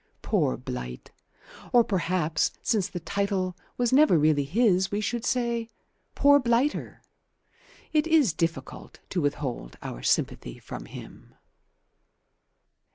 Poor Blight! or perhaps, since the title was never really his, we should say "Poor Blighter!" It is difficult to withhold our sympathy from him.